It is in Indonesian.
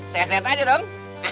seset aja dong